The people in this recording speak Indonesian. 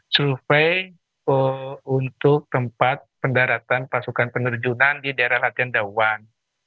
survei untuk tempat pendaratan pasukan penerjunan di daerah latihan dawan